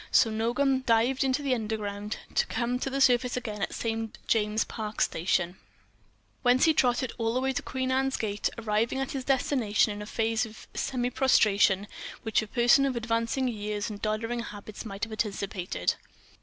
So Nogam dived into the Underground, to come to the surface again at St. James's Park station, whence he trotted all the way to Queen Anne's Gate, arriving at his destination in a phase of semi prostration which a person of advancing years and doddering habits might have anticipated.